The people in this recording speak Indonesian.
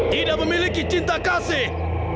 tidak memiliki cinta kasih